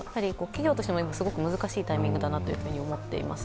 企業としても今、すごく難しいタイミングだと思っています。